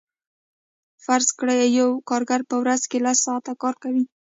فرض کړئ یو کارګر په ورځ کې لس ساعته کار کوي